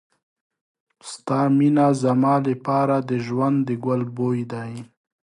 ستا مینه زما لپاره د ژوند د ګل بوی دی.